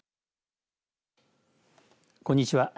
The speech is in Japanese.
こんにちは。